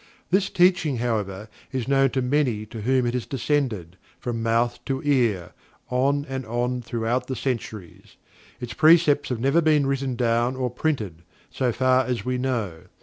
This teaching, however, is known to many to whom it has descended, from mouth to ear, on and on throughout the centuries. Its precepts have never been written down, or printed, so far as we know.